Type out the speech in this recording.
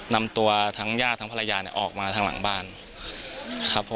นำตัวทั้งญาติทั้งภรรยาเนี่ยออกมาทางหลังบ้านครับผม